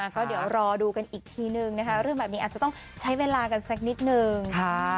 ก็เดี๋ยวรอดูกันอีกทีนึงนะคะเรื่องแบบนี้อาจจะต้องใช้เวลากันสักนิดนึง